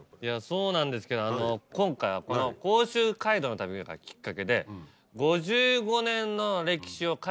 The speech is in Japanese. そうなんですけど今回はこの甲州街道の旅がきっかけで。